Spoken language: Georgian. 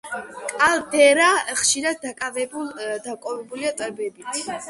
კალდერა ხშირად დაკავებულია ტბებით.